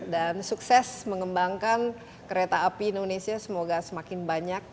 dan sukses mengembangkan kereta api indonesia semoga semakin banyak